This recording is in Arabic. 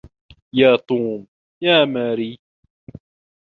يا توم! "يا ماري!"